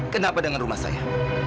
kenapa dengan rumah saya